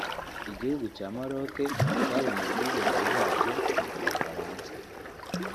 Igihugu cya Maroc cyabonye ubwigenge bwacyo ku bufaransa